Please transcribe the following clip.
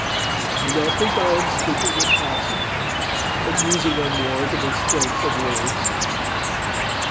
'Do not think I am speaking in passion, and using unwarrantable strength of words.